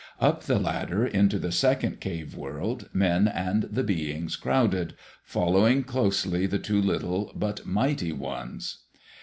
Up the ladder into the second cave world, men and the beings crowded, following closely the Two Little but Mighty Ones.